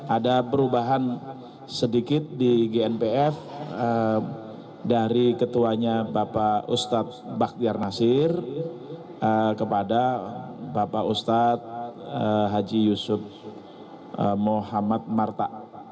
ada perubahan sedikit di gnpf dari ketuanya bapak ustadz baktiar nasir kepada bapak ustadz haji yusuf muhammad martak